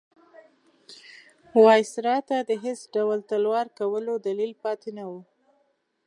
وایسرا ته د هېڅ ډول تلوار کولو دلیل پاتې نه وو.